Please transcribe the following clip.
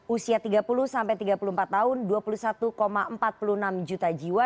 usia tiga puluh sampai tiga puluh empat tahun dua puluh satu empat puluh enam juta jiwa